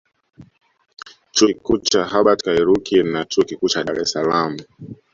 Chuo Kikuu cha Hubert Kairuki na Chuo Kikuu cha Dar es Salaam